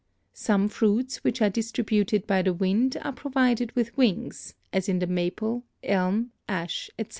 Some fruits which are distributed by the wind are provided with wings, as in the maple, elm, ash, etc.